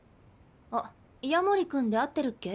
あっ夜守君で合ってるっけ？